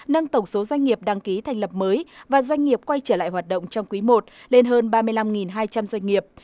nâng tổng số doanh nghiệp đăng ký thành lập mới và doanh nghiệp quay trở lại hoạt động trong quý i lên hơn ba mươi năm hai trăm linh doanh nghiệp